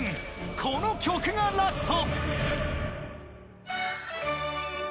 ［この曲がラスト］